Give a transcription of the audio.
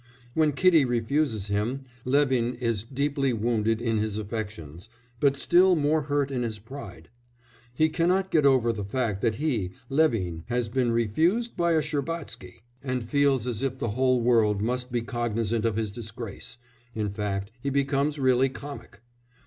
When Kitty refuses him, Levin is deeply wounded in his affections, but still more hurt in his pride; he cannot get over the fact that he Levin has been "refused by a Shcherbatsky," and feels as if the whole world must be cognisant of his disgrace in fact he becomes really comic.